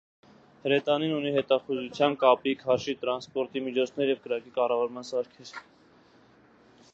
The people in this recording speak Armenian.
Հրետանին ունի հետախուզության, կապի, քարշի, տրանսպորտի միջոցներ և կրակի կառավարմաև սարքեր։